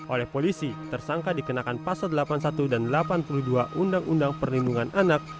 oleh polisi tersangka dikenakan pasal delapan puluh satu dan delapan puluh dua undang undang perlindungan anak